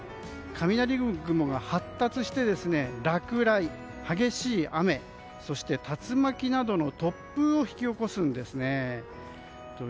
雷雲が発達して、落雷、激しい雨そして竜巻などの突風を引き起こすんですね。